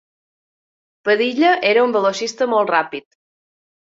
Padilla era un velocista molt ràpid.